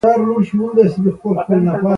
څه حال دې دی؟